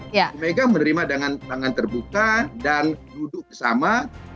bu mega menerima dengan tangan terbuka dan duduk bersama